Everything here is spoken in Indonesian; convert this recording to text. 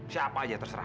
siapa aja terserah